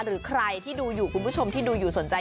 หรือใครที่ดูอยู่คุณผู้ชมที่ดูอยู่สนใจ